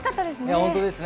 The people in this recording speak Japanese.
本当ですよ。